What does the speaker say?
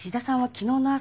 昨日の朝？